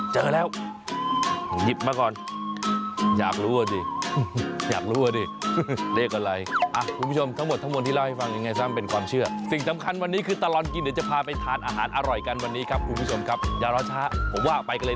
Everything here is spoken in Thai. เจอแล้วขอหยิบมาก่อนอยากรู้อ่ะดิได้กว่าไอ